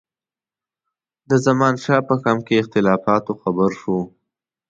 د زمانشاه په کمپ کې اختلافاتو خبر شو.